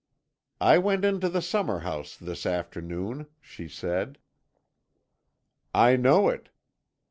"'I went into the summer house this afternoon,' she said. "'I know it.'